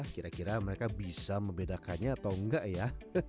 kira kira mereka bisa membedakannya atau enggak ya